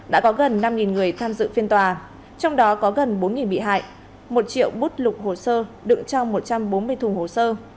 đã có gần năm người tham dự phiên tòa trong đó có gần bốn bị hại một triệu bút lục hồ sơ đựng trong một trăm bốn mươi thùng hồ sơ